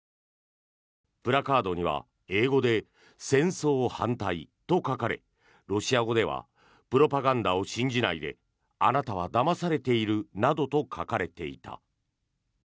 プラカードには英語で戦争反対と書かれロシア語ではプロパガンダを信じないであなたはだまされているなどと書かれていた。